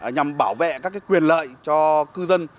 nhằm bảo vệ các quyền lợi cho cư dân